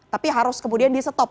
tapi harus kemudian disetujukan